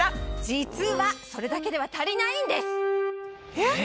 実はそれだけでは足りないんです！